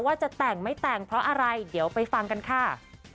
ว่าจะแต่งไม่แต่งเพราะอะไรเดี๋ยวไปฟังกันค่ะ